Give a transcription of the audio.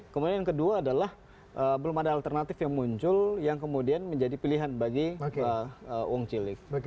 kemudian yang kedua adalah belum ada alternatif yang muncul yang kemudian menjadi pilihan bagi wong cilik